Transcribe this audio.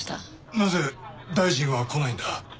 なぜ大臣は来ないんだ？